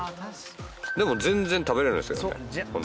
でも全然食べられるんですよね。